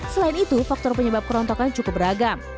selain itu faktor penyebab kerontokan cukup beragam